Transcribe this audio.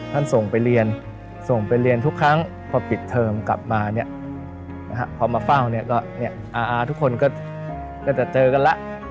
ท่านส่งไปเรียนส่งไปเรียนทุกครั้งพอปิดเทอมกลับมาพอมาเฝ้าทุกคนก็จะเจอกันแล้ว